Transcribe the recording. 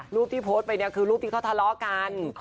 รูปที่โพสต์ไปเนี่ยคือรูปที่เขาทะเลาะกัน